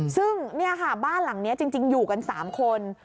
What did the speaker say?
ซึ่งเนี่ยค่ะบ้านหลังนี้จริงอยู่กัน๓คน